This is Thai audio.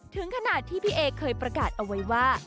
ถึงขนาดที่พี่เอเคยประกาศเอาไว้ว่า